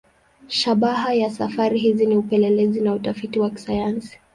Shabaha ya safari hizi ni upelelezi na utafiti wa kisayansi.